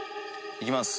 「いきます。